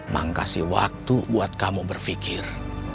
mang kasih waktu buat kamu berfikir